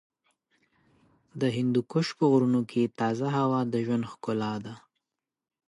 د هندوکش په غرونو کې تازه هوا د ژوند ښکلا ده.